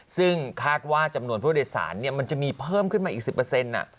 ซึ่งคาดว่าจำนวนผู้โดยสารมันจะมีเพิ่มขึ้นมาอีก๑๐